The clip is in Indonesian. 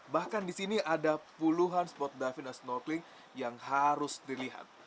bahkan di sini ada puluhan spot diving dan snorkeling yang harus dilihat